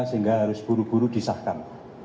sehingga harus buru buru disahkan